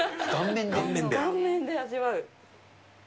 顔面で味わう。